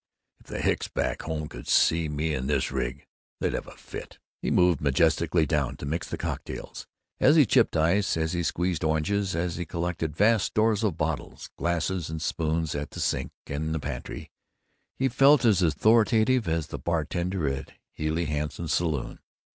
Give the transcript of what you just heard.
If the hicks back home could see me in this rig, they'd have a fit!" He moved majestically down to mix the cocktails. As he chipped ice, as he squeezed oranges, as he collected vast stores of bottles, glasses, and spoons at the sink in the pantry, he felt as authoritative as the bartender at Healey Hanson's saloon.